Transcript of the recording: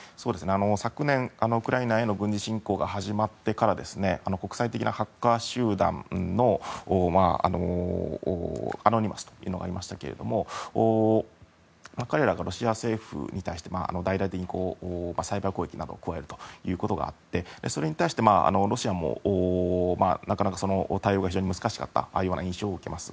昨年、ウクライナへの軍事侵攻が始まってから国際的なハッカー集団のアノニマスというのがありましたけれども彼らがロシア政府に対して大々的にサイバー攻撃などを加えるということがあってそれに対してロシアもなかなか対応が難しかった印象を受けます。